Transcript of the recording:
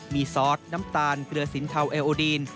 มีซอสน้ำตาลเกลือสินเทาเอโอดีน